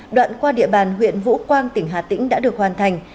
đoạn qua địa bàn huyện vũ quang tỉnh hà tĩnh đã được hoàn thành